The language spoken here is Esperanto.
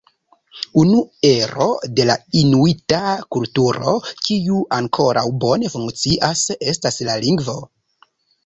Unu ero de la inuita kulturo kiu ankoraŭ bone funkcias estas la lingvo.